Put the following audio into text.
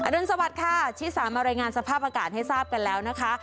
รุนสวัสดิ์ค่ะชิสามารายงานสภาพอากาศให้ทราบกันแล้วนะคะ